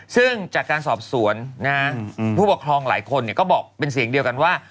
ซึ่งจากการสอบสวนผู้ปกครองหลายคนก็บอกเป็นเสียงเดียวกันว่า